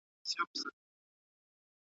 د کورنۍ اړیکې مه پرې کوئ.